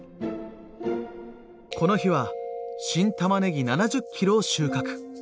この日は新たまねぎ７０ｋｇを収穫。